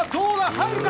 入るか？